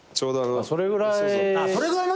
それぐらいの。